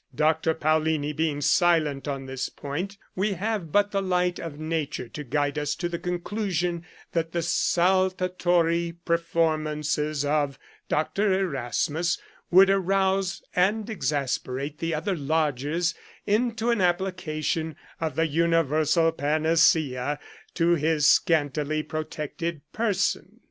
Dr. Paullini being silent on this point, we have but the light of nature to guide us to the conclusion that the saltatory performances of Dr. Erasmus would arouse and exasperate the other lodgers into an application of the universal panacea to his scantily protected person.